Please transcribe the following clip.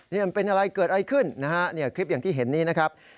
นี่มันเป็นอะไรเกิดอะไรขึ้นนะฮะเนี่ยคลิปอย่างที่เห็นนี้นะครับ